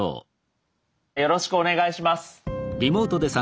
よろしくお願いします。